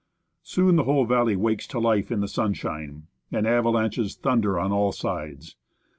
Soon the whole val ley wakes to life in the sunshine, and avalanches thunder on all sides.